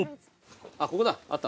あっここだあった。